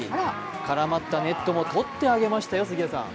絡まったネットもとってあげましたよ、杉谷さん。